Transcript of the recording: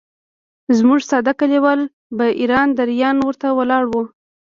موږ ساده کلیوال به اریان دریان ورته ولاړ وو.